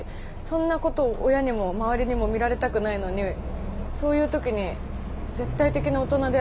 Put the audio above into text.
そんなこと親にも周りにも見られたくないのにそういう時に絶対的な大人である先生が味方じゃない。